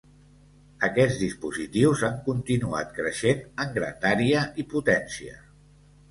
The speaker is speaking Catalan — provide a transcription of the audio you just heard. Aquests dispositius han continuat creixent en grandària i potència.